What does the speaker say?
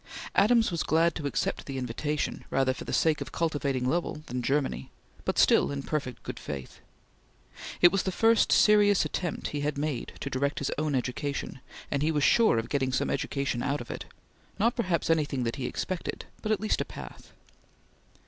Adams was glad to accept the invitation, rather for the sake of cultivating Lowell than Germany, but still in perfect good faith. It was the first serious attempt he had made to direct his own education, and he was sure of getting some education out of it; not perhaps anything that he expected, but at least a path.